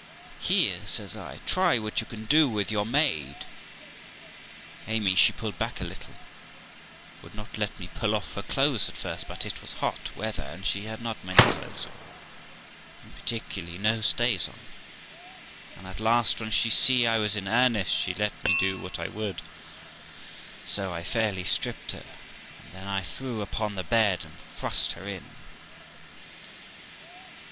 'Here', says 1, 'try what you can do with your maid Amy.' She pulled back a little, would not let me pull off her clothes at first, but it was hot weather, and she had not many clothes on, and parti cularly no stays on; and at last, when she saw I was in earnest, she let me do what I would. So I fairly stripped her, and then I threw open the bed and thrust her in.